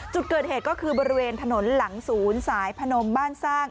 จุดเกิดเหตุก็คือบริเวณถนนหลังศูนย์สายพนมบ้านสร้าง